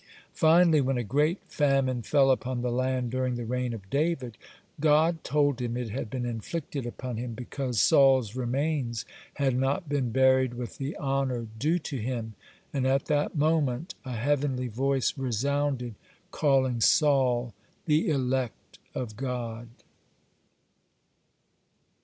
(81) Finally, when a great famine fell upon the land during the reign of David, God told him it had been inflicted upon him because Saul's remains had not been buried with the honor due to him, and at that moment a heavenly voice resounded calling Saul "the elect of God."